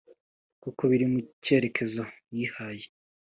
kuko biri mu cyerekezo yihaye